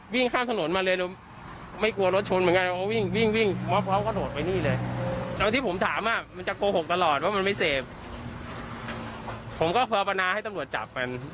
ผมก็ฝันปันนะให้ตำรวจจับมัน